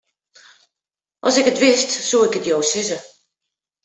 As ik it wist, soe ik it jo sizze.